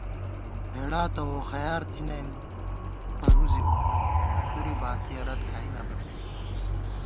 ہېڑا تہ ووخیار تھنئیم پرُوزِیؤ ، مېنہ پُرے باتِیہ رت کھائی نہ بَمېم